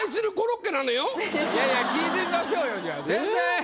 いやいや聞いてみましょうよじゃあ先生！